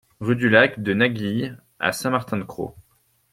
Rue du Lac de Naguille à Saint-Martin-de-Crau